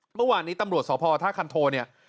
เมื่อวานนี้ตำรวจสพท่าคันโทเนี่ย